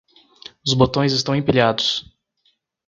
Os botões estão empilhados.